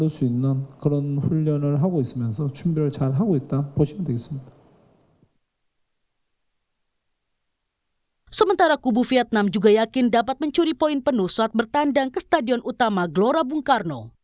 sementara kubu vietnam juga yakin dapat mencuri poin penuh saat bertandang ke stadion utama gelora bung karno